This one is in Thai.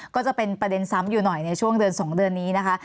ก็จะเป็นประเด็นซ้ำอยู่หน่อยในช่วงเดือน๒เดือนนี้นะคะ